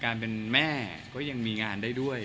ครอบครัวมีน้องเลยก็คงจะอยู่บ้านแล้วก็เลี้ยงลูกให้ดีที่สุดค่ะ